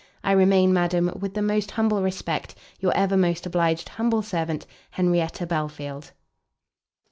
I remain, Madam, with the most humble respect, your ever most obliged humble servant, HENRIETTA BELFIELD.